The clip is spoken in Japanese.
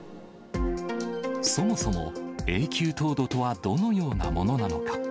そもそも永久凍土とはどのようなものなのか。